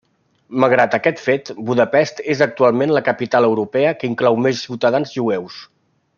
Malgrat aquest fet, Budapest és actualment la capital europea que inclou més ciutadans jueus.